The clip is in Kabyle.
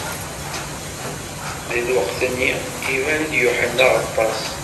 Di lweqt-nni, iban-d Yuḥenna Aɣeṭṭaṣ.